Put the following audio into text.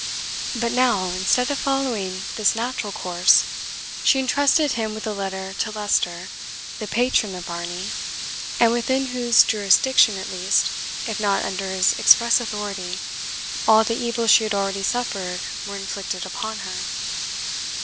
But now, instead of following this natural course, she entrusted him with a letter to Leicester, the patron of Varney, and within whose jurisdiction at least, if not under his express authority, all the evils she had already suffered were inflicted upon her.